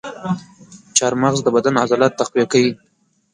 چارمغز د بدن عضلات تقویه کوي.